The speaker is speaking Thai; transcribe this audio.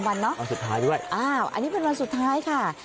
วันสุดท้ายด้วยอันนี้เป็นวันสุดท้ายค่ะ